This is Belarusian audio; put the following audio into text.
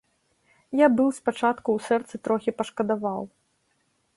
Я быў спачатку ў сэрцы трохі пашкадаваў.